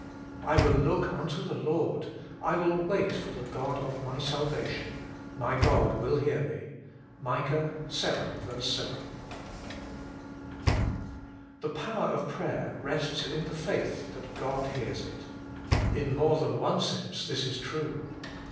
"I will look unto the Lord; I will wait for the God of my salvation: my God will hear me." MIC. vii. 7. power of prayer rests in the faith that God hears it. In more than one sense this is true.